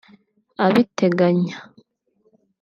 abiteganya